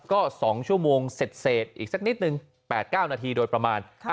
ก็๒ชั่วโมงเสร็จอีกสักนิดนึง๘๙นาทีโดยประมาณ